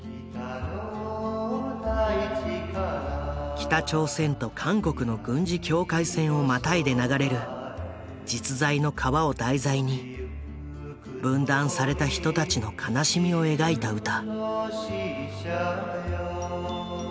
北朝鮮と韓国の軍事境界線をまたいで流れる実在の川を題材に分断された人たちの悲しみを描いた歌。